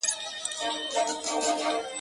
كه كېدل په پاچهي كي يې ظلمونه!.